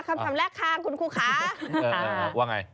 คำแรกค่ะคุณครูคะว่าไง